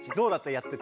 やってて。